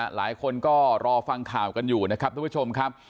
หลายคนก็รอฟังข่าวกันอยู่นะครับทุกผู้ชมครับ